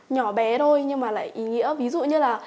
nhỏ bé thôi nhưng mà lại ý nghĩa ví dụ như là